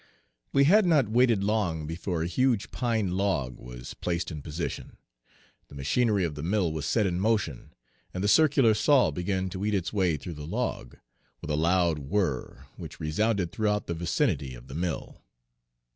We had not waited long before a huge pine log was placed in position, the machinery of the mill was set in motion, and the circular saw began to eat its way through the log, with a loud whir which resounded throughout the vicinity of the mill.